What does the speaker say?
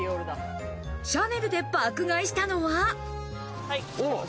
シャネルで爆買いしたのは。